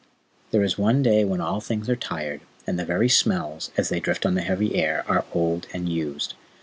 There is one day when all things are tired, and the very smells, as they drift on the heavy air, are old and used.